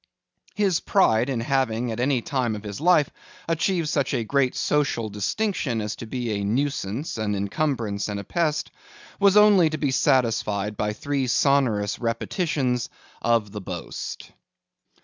His pride in having at any time of his life achieved such a great social distinction as to be a nuisance, an incumbrance, and a pest, was only to be satisfied by three sonorous repetitions of the boast.